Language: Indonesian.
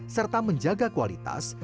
serta menjaga kualitas